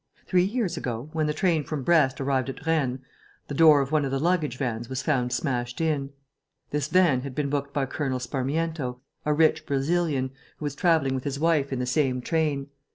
Three years ago, when the train from Brest arrived at Rennes, the door of one of the luggage vans was found smashed in. This van had been booked by Colonel Sparmiento, a rich Brazilian, who was travelling with his wife in the same train.